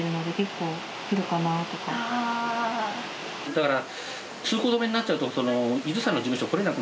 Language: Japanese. だから。